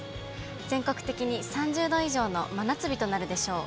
全国的に３０度以上の真夏日となるでしょう。